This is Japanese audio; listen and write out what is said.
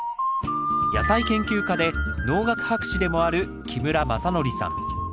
野菜研究家で農学博士でもある木村正典さん。